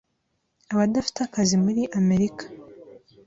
abadafite akazi muri Amerika